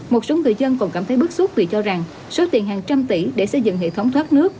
một số người dân còn cảm thấy bức xúc vì cho rằng số tiền hàng trăm tỷ để xây dựng hệ thống thoát nước